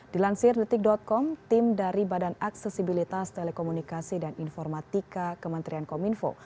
dilansir detik com tim dari badan aksesibilitas telekomunikasi dan informatika kementerian kominfo